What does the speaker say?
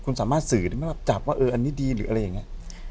คุณสามารถสื่อได้ไหมล่ะจับว่าเอออันนี้ดีหรืออะไรอย่างนี้